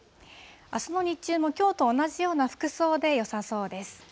あすの日中もきょうと同じような服装でよさそうです。